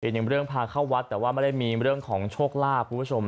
อีกหนึ่งเรื่องพาเข้าวัดแต่ว่าไม่ได้มีเรื่องของโชคลาภคุณผู้ชม